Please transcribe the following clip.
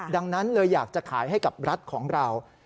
ดังนั้นเลยอยากจะขายให้กับรัฐของเรา